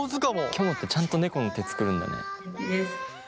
きょもってちゃんと猫の手作るんだね。